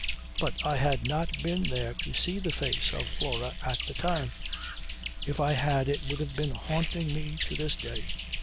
But I had not been there to see the face of Flora at the time. If I had it would be haunting me to this day.